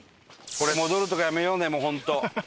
これ戻るとかやめようねもう本当。